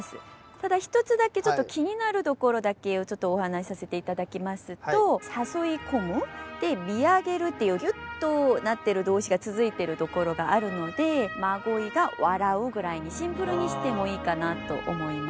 ただ一つだけ気になるところだけお話しさせて頂きますと「誘い込む」で「見上げる」っていうギュッとなってる動詞が続いてるところがあるので「真鯉が笑う」ぐらいにシンプルにしてもいいかなと思います。